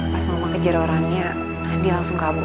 pas mama kejar orangnya nandi langsung kabur